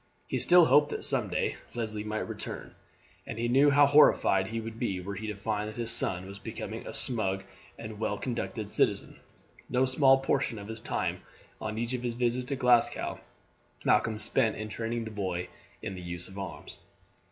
He still hoped that some day Leslie might return, and he knew how horrified he would be were he to find that his son was becoming a smug and well conducted citizen. No small portion of his time on each of his visits to Glasgow Malcolm spent in training the boy in the use of arms.